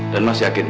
dan mas yakin